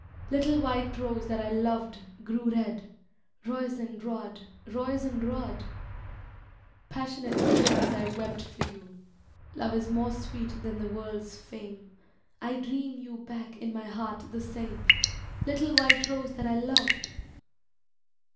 Little white rose that I loved grew red, Roisin mad, Roisin mad ! Passionate tears I wept for you. Love is more sweet than the world's fame, I dream you back in my heart the same. Little white rose that I loved